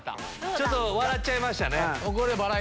ちょっと笑っちゃいましたね。